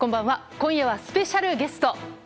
今夜はスペシャルゲスト。